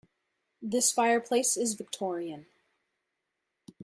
This fireplace is Victorian.